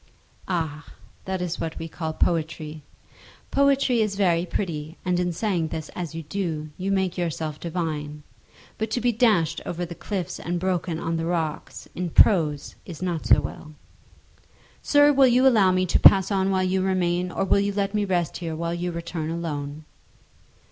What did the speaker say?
"Ah! That is what we call poetry. Poetry is very pretty, and in saying this as you do, you make yourself divine. But to be dashed over the cliffs and broken on the rocks; in prose it is not so well." "Sir, will you allow me to pass on while you remain; or will you let me rest here, while you return alone?"